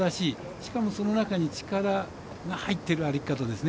しかも、その中に力が入っている歩き方ですね。